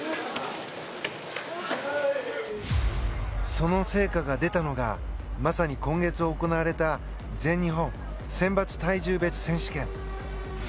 その成果が出たのがまさに今月行われた全日本選抜体重別選手権。